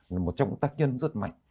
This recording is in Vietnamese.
là một trong những tác nhân rất mạnh